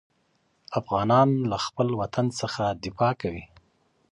افغانان خپل وطن دفاع کوي.